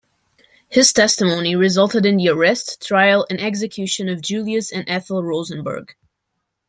His testimony resulted in the arrest, trial, and execution of Julius and Ethel Rosenberg.